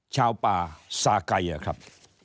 ชาวป่าซาไก่อะครับ